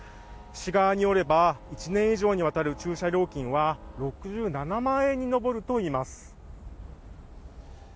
市側によれば１年以上にわたる駐車料金は６７万円に上るといいます。